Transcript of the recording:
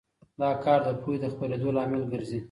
دا کار د پوهې د خپرېدو لامل ګرځي.